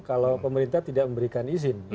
kalau pemerintah tidak memberikan izin